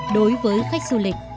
đối với khách du lịch